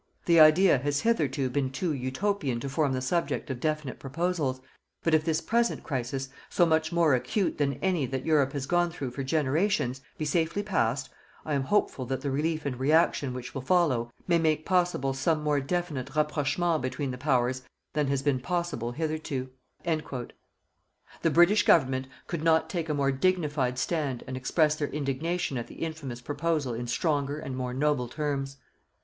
The idea has hitherto been too Utopian to form the subject of definite proposals, but if this present crisis, so much more acute than any that Europe has gone through for generations, be safely passed, I am hopeful that the relief and reaction which will follow may make possible some more definite rapprochement between the Powers than has been possible hitherto. The British Government could not take a more dignified stand and express their indignation at the infamous proposal in stronger and more noble terms.